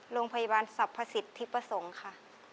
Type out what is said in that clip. โรงพยาบาลสรรพสิทธิประสงค์ค่ะ